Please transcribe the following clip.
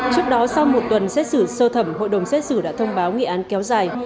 trước đó sau một tuần xét xử sơ thẩm hội đồng xét xử đã thông báo nghị án kéo dài